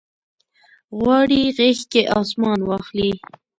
غواړي غیږ کې اسمان واخلي